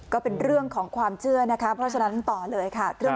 ก็เป็นเรื่องของความเชื่อนะคะเพราะฉะนั้นต่อเลยค่ะ